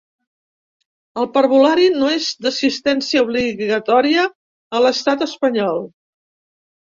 El Parvulari no és d'assistència obligatòria a l'Estat espanyol.